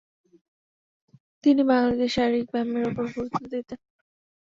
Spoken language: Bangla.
তিনি বাঙালিদের শারীরিক ব্যায়ামের উপর গুরুত্ব দিতেন।